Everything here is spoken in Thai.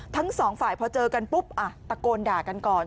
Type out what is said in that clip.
ทั้งสองฝ่ายพอเจอกันปุ๊บตะโกนด่ากันก่อน